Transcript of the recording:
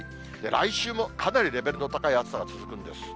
来週もかなりレベルの高い暑さが続くんです。